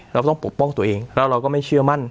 เราต้องปกป้องตัวเองแล้วเราก็ไม่เชื่อมั่น